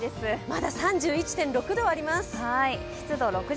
まだ３１．６度あります。